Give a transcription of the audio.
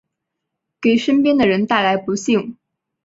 给身边的人带来不幸